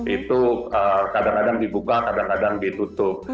itu kadang kadang dibuka kadang kadang ditutup